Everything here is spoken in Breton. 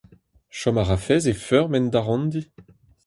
Chom a rafes e feurm en da ranndi ?